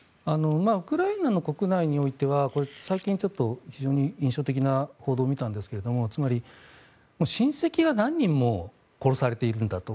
ウクライナの国内においては最近、ちょっと非常に印象的な報道を見たんですがつまり、親戚が何人も殺されているんだと。